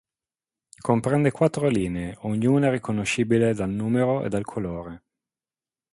Comprende quattro linee, ognuna riconoscibile dal numero e dal colore.